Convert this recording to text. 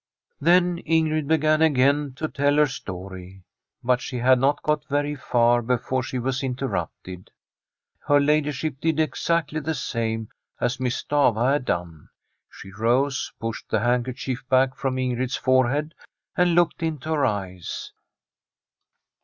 Then Ingrid began again to tell her story. But she had not got very far before she was inter rupted. Her ladyship did exactly the same as Miss Stafva had done. She rose, pushed the handkerchief back from Ingrid's forehead and looked into her eyes.